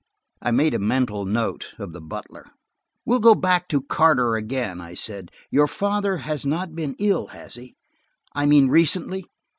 I made a mental note of the butler. "We'll go back to Carter again," I said. "Your father has not been ill, has he? I mean recently."